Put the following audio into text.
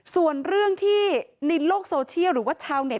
ส่วนเรื่องที่ในโลกโซเชียลหรือว่าชาวเต็